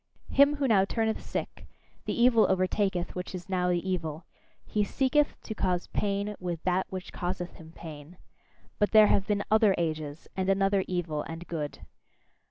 Him who now turneth sick, the evil overtaketh which is now the evil: he seeketh to cause pain with that which causeth him pain. But there have been other ages, and another evil and good.